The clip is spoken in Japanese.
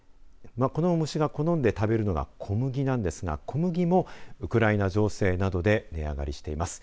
この虫が好んで食べるのが小麦なんですが小麦もウクライナ情勢などで値上がりしています。